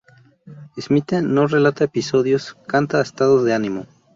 Smythe no relata episodios: canta estados de ánimo.